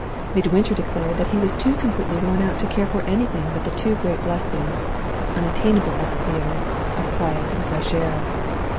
Midwinter declared that he was too completely worn out to care for anything but the two great blessings, unattainable at the theater, of quiet and fresh air.